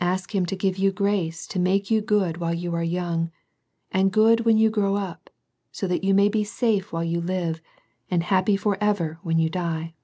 Ask Him to give you grace to make you good while you are young, and good when you grow up, that so you may be safe while you live, and happy for ever when you die.